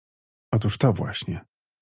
— Otóż to właśnie.